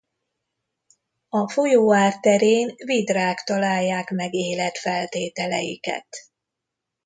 A folyó árterén vidrák találják meg életfeltételeiket.